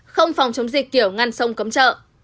không phòng chống dịch kiểu ngăn sông cấm chợ